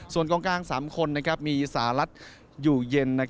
ส่วนกองกลาง๓คนมีสหรัฐอยู่เย็น